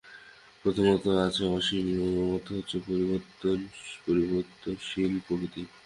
প্রথমত আছে অসীম অথচ পরিবর্তশীল প্রকৃতি।